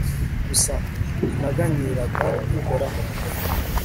gusa, naganyiraga uhoraho